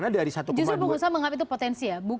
justru pengusaha menganggap itu potensi ya